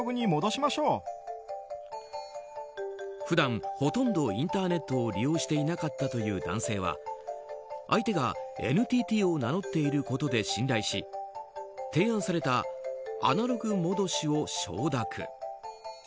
普段、ほとんどインターネットを利用していなかったという男性は相手がＮＴＴを名乗っていることで信頼し提案されたアナログ戻しを承諾。